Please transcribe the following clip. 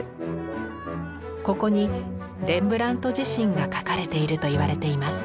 ここにレンブラント自身が描かれているといわれています。